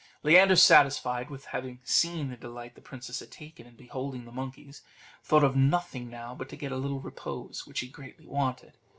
Leander, satisfied with having seen the delight the princess had taken in beholding the monkeys, thought of nothing now but to get a little repose, which he greatly wanted.